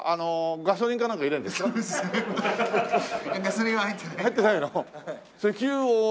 ガソリンは入ってないです。